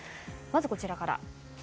まず、こちらから。